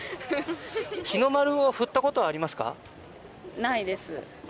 日の丸を振ったことはありますかないです